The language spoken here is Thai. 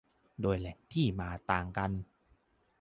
โดยแหล่งที่มาต่างกัน